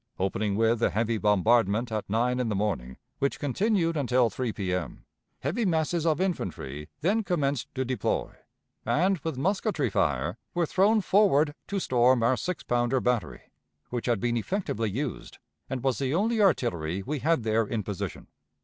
Opening with a heavy bombardment at nine in the morning, which continued until three P.M., heavy masses of infantry then commenced to deploy, and, with musketry fire, were thrown forward to storm our six pounder battery, which had been effectively used, and was the only artillery we had there in position.